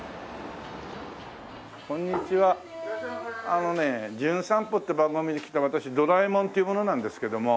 あのね『じゅん散歩』って番組で来た私ドラえもんっていう者なんですけども。